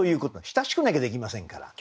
親しくなきゃできませんから。